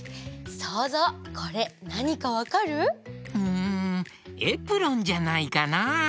そうぞうこれなにかわかる？んエプロンじゃないかな？